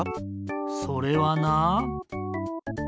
それはな。